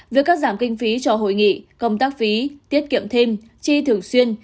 việc cắt giảm kinh phí cho hội nghị công tác phí tiết kiệm thêm chi thường xuyên